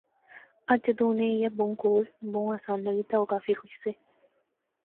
اج جدوں انیں ایہہ بہوں کول، بہوں آسان لغی تہ او کافی خوش سے